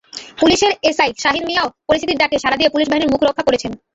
পুলিশের এএসআই শাহিন মিয়াও পরিস্থিতির ডাকে সাড়া দিয়ে পুলিশ বাহিনীর মুখরক্ষা করেছেন।